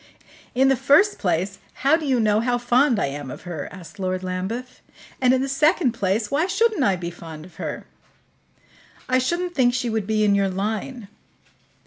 "In the first place, how do you know how fond I am of her?" asked Lord Lambeth. "And, in the second place, why shouldn't I be fond of her?" "I shouldn't think she would be in your line."